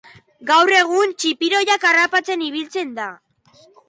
Gaur egun, txipiroiak harrapatzen ibiltzen da.